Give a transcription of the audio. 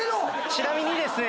ちなみにですね